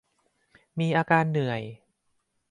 มีอาการเหนื่อย